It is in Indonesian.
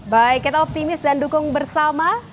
baik kita optimis dan dukung bersama